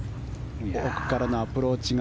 奥からのアプローチが。